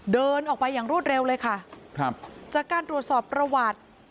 เดินออกไปอย่างรวดเร็วเลยค่ะครับจากการตรวจสอบประวัติ